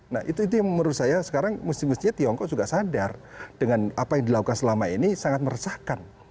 nah itu yang menurut saya sekarang mesti mestinya tiongkok juga sadar dengan apa yang dilakukan selama ini sangat meresahkan